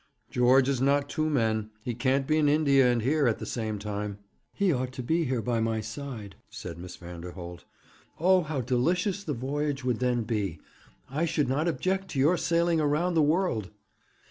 'George is not two men. He can't be in India and here at the same time.' 'He ought to be here, by my side,' said Miss Vanderholt. 'Oh, how delicious the voyage would then be! I should not object to your sailing round the world.'